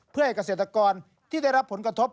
เพื่อให้เกษตรกรที่ได้รับผลกระทบ